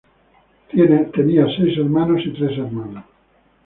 Tenía seis hermanos y tres hermanas.